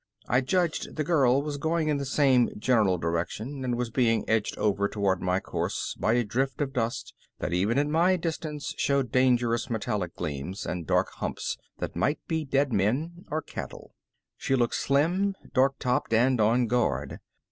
I judged the girl was going in the same general direction and was being edged over toward my course by a drift of dust that even at my distance showed dangerous metallic gleams and dark humps that might be dead men or cattle. She looked slim, dark topped, and on guard.